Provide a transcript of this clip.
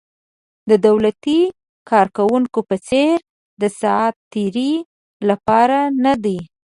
د دولتي کارکوونکو په څېر د ساعت تېرۍ لپاره نه دي.